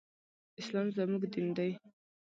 اسلام زموږ دين دی